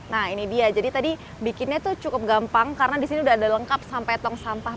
nah ini dia jadi tadi bikinnya tuh cukup gampang karena disini udah ada lengkap sampai tong sampah